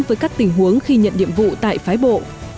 với các tình huống khi nhận nhiệm vụ tại phái bộ